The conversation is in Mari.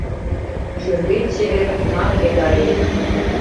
Шӱргет чевер — маке гае